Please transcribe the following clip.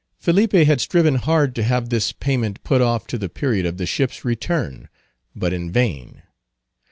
Felipe had striven hard to have this payment put off to the period of the ship's return. But in vain.